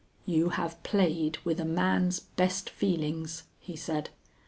"You have played with a man's best feelings," he said.